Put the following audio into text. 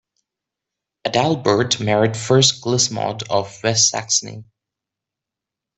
Adalbert married first Glismod of West-Saxony.